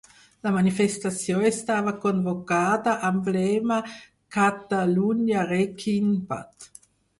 La manifestació estava convocada amb lema Kataluniarekin bat.